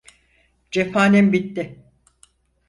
Cephanem bitti!